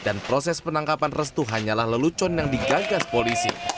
dan proses penangkapan restu hanyalah lelucon yang digagas polisi